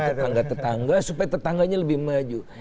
tetangga tetangga supaya tetangganya lebih maju